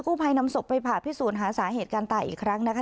ผู้ภัยนำศพไปผ่าพิสูจน์หาสาเหตุการตายอีกครั้งนะคะ